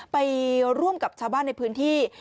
ไปร่วมกับชาวบ้านในพื้นที่